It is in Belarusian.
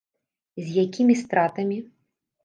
І з якімі стратамі.